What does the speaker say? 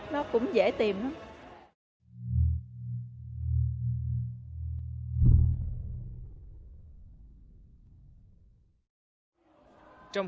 nó cũng dễ tìm lắm